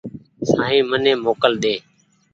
سائين مني موڪل ۮي